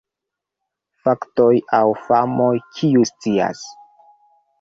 Faktoj aŭ famoj: kiu scias?